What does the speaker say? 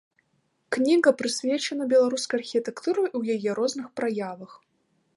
Кніга прысвечана беларускай архітэктуры ў яе розных праявах.